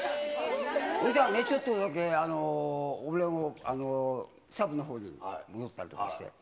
そしたらちょっとだけ俺も、サブのほうに戻ったりとかして。